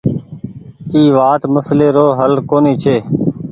اي وآت مسلي رو هل ڪونيٚ ڇي۔